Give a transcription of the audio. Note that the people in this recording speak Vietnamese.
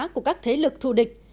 của các thế lực thu địch